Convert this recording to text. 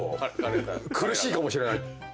苦しいかもしれないって。